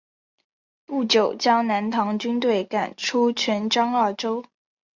不久将南唐军队赶出泉漳二州。